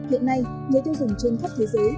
hiện nay người tiêu dùng trên khắp thế giới